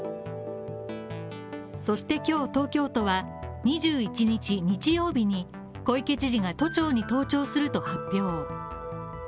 そして今日東京都は２１日日曜日に小池知事が都庁に登庁すると発表。